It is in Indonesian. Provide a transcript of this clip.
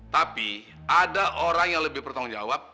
tapi ada orang yang lebih bertanggung jawab